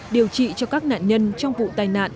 điều trị cho các nạn nhân trong vụ tai nạn